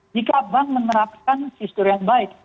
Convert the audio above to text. jika bank menerapkan sistem yang baik